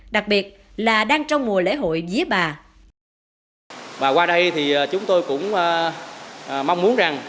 đặc biệt là đang trong mùa